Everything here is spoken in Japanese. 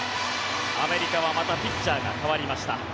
アメリカはまたピッチャーが代わりました。